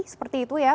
seperti itu ya